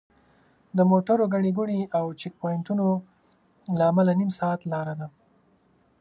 د موټرو ګڼې ګوڼې او چیک پواینټونو له امله نیم ساعت لاره ده.